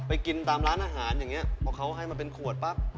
กินตามร้านอาหารอย่างนี้พอเขาให้มาเป็นขวดปั๊บ